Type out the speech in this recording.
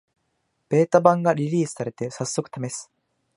ベータ版がリリースされて、さっそくためす